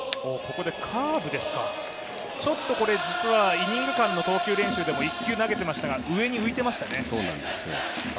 イニング間の投球練習でも投げていましたが、上に浮いていましたね。